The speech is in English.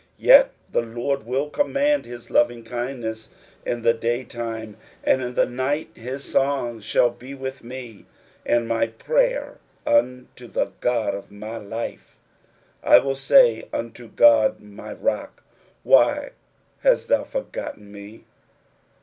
8 Vft the Lord will command his lovingkindness in the day time, and in the night his song s/ta// be with me, and my prayer unto the God of my life, 9 1 will say unto God my rock, Why hast thou forgotten me